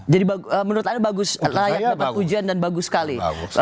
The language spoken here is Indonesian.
jadi menurut anda layak dapat pujian dan bagus sekali